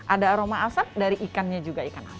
ada aroma asap dari ikannya juga ikan asap